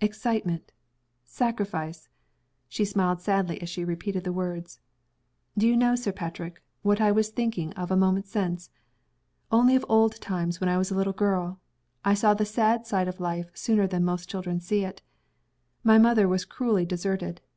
"Excitement! Sacrifice!" She smiled sadly as she repeated the words. "Do you know, Sir Patrick, what I was thinking of a moment since? Only of old times, when I was a little girl. I saw the sad side of life sooner than most children see it. My mother was cruelly deserted.